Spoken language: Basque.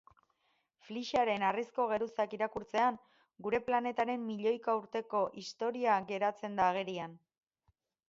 Flyscharen harrizko geruzak irakurtzean, gure planetaren milioika urteko historia geratzen da agerian.